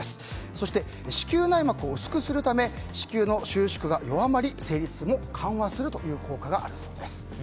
そして子宮内膜を薄くするため子宮の収縮が弱まり生理痛も緩和するという効果があるそうです。